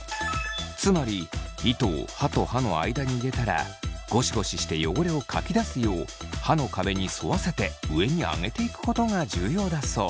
つまり糸を歯と歯の間に入れたらゴシゴシして汚れをかき出すよう歯の壁に沿わせて上にあげていくことが重要だそう。